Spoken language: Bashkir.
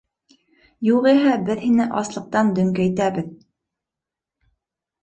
Юғиһә беҙ һине аслыҡтан дөңкәйтәбеҙ!